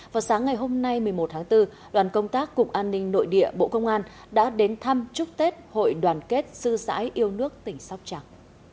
vào sáng ngày hôm nay một mươi một tháng bốn đoàn công tác cục an ninh nội địa bộ công an đã đến thăm chúc tết hội đoàn kết sư sãi yêu nước tỉnh sóc trăng